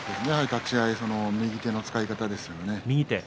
立ち合い右手の使い方ですよね。